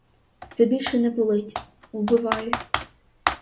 Це більше не болить. Вбиває.